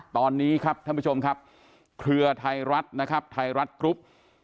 ตอนนี้ครับท่านผู้ชมครับเครือไทยรัฐนะครับไทยรัฐกรุ๊ป